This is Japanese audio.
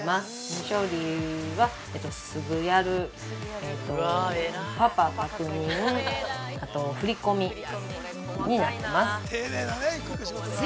未処理は、すぐやる、パパ確認、振り込みになってます。